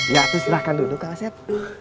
ya aku sedahkan duduk kang aset